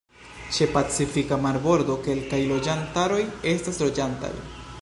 Ĉe Pacifika marbordo kelkaj loĝantaroj estas loĝantaj.